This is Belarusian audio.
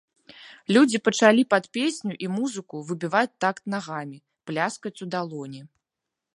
Людзі пачалі пад песню і музыку выбіваць такт нагамі, пляскаць у далоні.